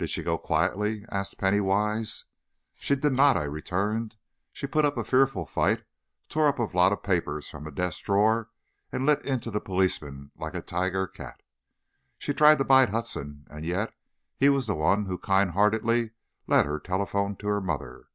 "Did she go quietly?" asked Penny Wise. "She did not!" I returned; "she put up a fearful fight, tore up a lot of papers from a desk drawer, and lit into the policemen like a tiger cat! She tried to bite Hudson, and yet, he was the one who kind heartedly let her telephone to her mother."